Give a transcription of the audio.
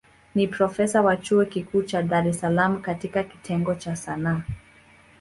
Ni profesa wa chuo kikuu cha Dar es Salaam katika kitengo cha Sanaa.